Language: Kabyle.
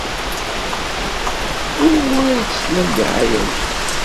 Wuɣur ay teslam ddiɛaya-a?